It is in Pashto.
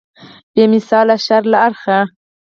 په بې مثاله شر له اړخه.